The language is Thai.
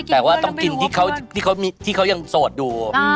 แต่ว่าต้องกินที่เขายังโสดอยู่